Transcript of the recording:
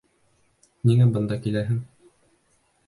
Ниңә бында киләһең?